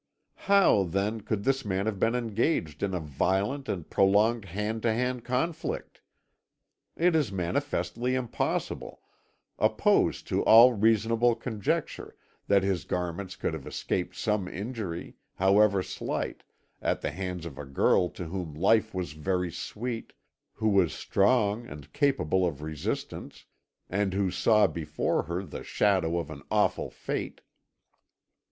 How, then, could this man have been engaged in a violent and prolonged hand to hand conflict? It is manifestly impossible, opposed to all reasonable conjecture, that his garments could have escaped some injury, however slight, at the hands of a girl to whom life was very sweet, who was strong and capable of resistance, and who saw before her the shadow of an awful fate.